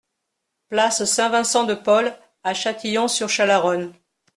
Place Saint-Vincent de Paul à Châtillon-sur-Chalaronne